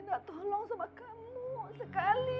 ibu mau minta tolong sama kamu sekali